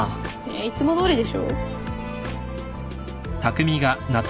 えっいつもどおりでしょ。